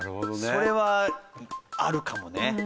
それはあるかもね。